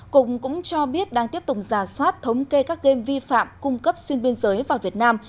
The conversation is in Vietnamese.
cục cũng cho biết đang tiếp tục giả soát thống kê các game vi phạm cung cấp xuyên biên giới vào việt nam